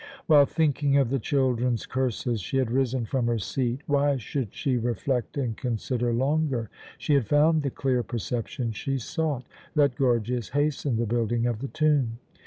While thinking of the children's curses she had risen from her seat. Why should she reflect and consider longer? She had found the clear perception she sought. Let Gorgias hasten the building of the tomb.